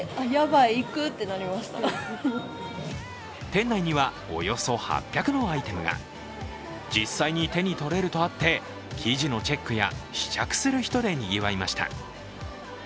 店内にはおよそ８００のアイテムが実際に手にとれるとあって生地のチェックや試着する人でにぎわいました。